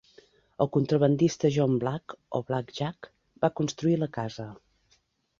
El contrabandista John Black o Black Jack va construir la casa.